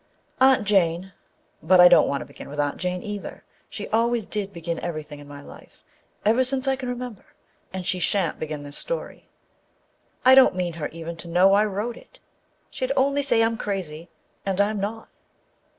Aunt Jane â but I don't want to begin with Aunt Jane either : she always did begin everything in my life, ever since I can remember, and she sha'n't begin this story. I don't mean her even to know I wrote it â she'd only say I'm crazy, and I'm not.